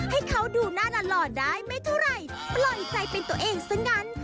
ให้เขาดูหน้าหล่อได้ไม่เท่าไหร่ปล่อยใจเป็นตัวเองซะงั้น